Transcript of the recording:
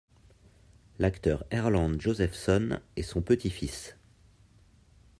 L'acteur Erland Josephson est son petit-fils.